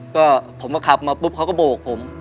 ก็ผมมาขับมาปุ๊บเขาก็โบกผม